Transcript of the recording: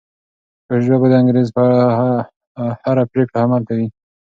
شاه شجاع به د انګریز په هره پریکړه عمل کوي.